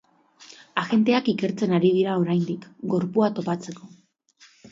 Agenteak ikertzen ari dira oraindik, gorpua topatzeko.